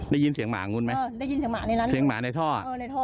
ได้ยินเสียงหมางุ้นไหมเออได้ยินเสียงหมาในร้านเสียงหมาในท่อในท่อ